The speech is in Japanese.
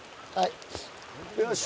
よし！